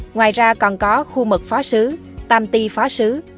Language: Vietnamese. ngoài ra còn có khu mật phó sứ tam ti phó sứ